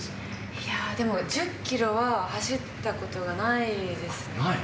いやー、でも１０キロは走ったことがないですね。